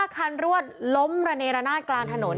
คันรวดล้มระเนรนาศกลางถนน